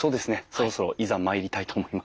そろそろいざ参りたいと思います。